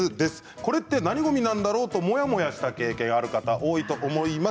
これは何ごみなんだろうとモヤモヤした経験ある方多いと思います。